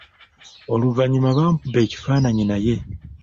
Oluvannyuma baamukuba ekifaananyi naye.